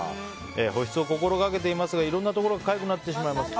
保湿を心がけていますがいろんなところがかゆくなってしまいます。